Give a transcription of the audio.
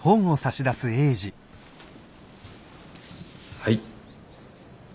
はい。